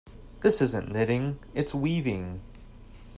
This isn't knitting, its weaving.